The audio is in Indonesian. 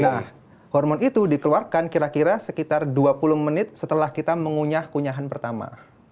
nah hormon itu dikeluarkan kira kira sekitar dua puluh menit setelah kita mengunyah kunyahan pertama